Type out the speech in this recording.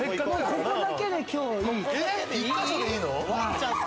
ここだけで今日いい。